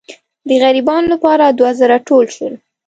د غریبانو لپاره دوه زره ټول شول.